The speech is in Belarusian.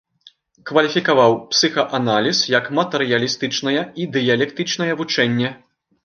Кваліфікаваў псіхааналіз як матэрыялістычнае, і дыялектычнае вучэнне.